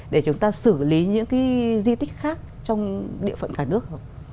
để lấy những cái di tích khác trong địa phận cả nước không